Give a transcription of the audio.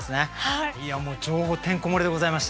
いや超てんこ盛りでございました。